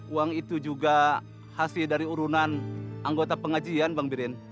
uang itu juga hasil dari urunan anggota pengajian bang birin